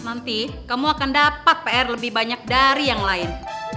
nanti kamu akan dapat pr lebih banyak dari yang lain